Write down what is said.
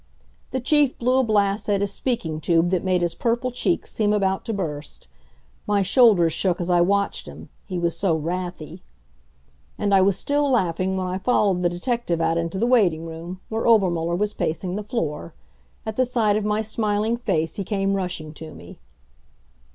The Chief blew a blast at his speaking tube that made his purple cheeks seem about to burst. My shoulders shook as I watched him, he was so wrathy. And I was still laughing when I followed the detective out into the waiting room, where Obermuller was pacing the floor. At the sight of my smiling face he came rushing to me.